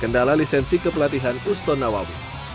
terkenalah lisensi kepelatihan usto nawawi